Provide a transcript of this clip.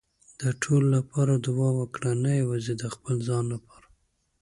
د ټولو لپاره دعا وکړه، نه یوازې د خپل ځان لپاره.